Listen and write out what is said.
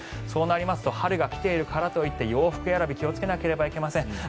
そうなりますと春が来ているからといって洋服選び気をつけなければいけません。